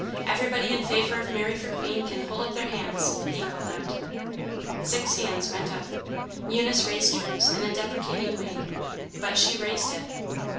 Everybody in favor of Mary for queen, can hold up their hands," he called out. Six hands went up. Eunice raised hers in a deprecating way, but she raised it.